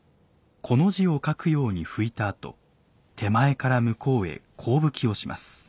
「こ」の字を書くように拭いたあと手前から向こうへ甲拭きをします。